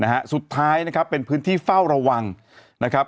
นะฮะสุดท้ายนะครับเป็นพื้นที่เฝ้าระวังนะครับ